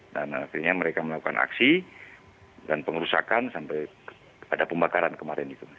dan akhirnya mereka melakukan aksi dan pengerusakan sampai pada pembakaran kemarin itu